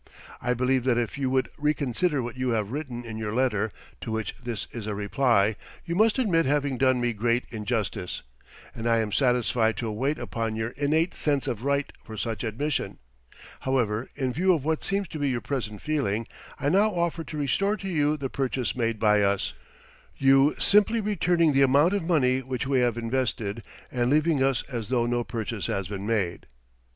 I believe that if you would reconsider what you have written in your letter, to which this is a reply, you must admit having done me great injustice, and I am satisfied to await upon your innate sense of right for such admission. However, in view of what seems to be your present feeling, I now offer to restore to you the purchase made by us, you simply returning the amount of money which we have invested, and leaving us as though no purchase has been made.